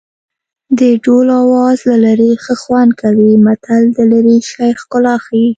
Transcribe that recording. د ډول آواز له لرې ښه خوند کوي متل د لرې شي ښکلا ښيي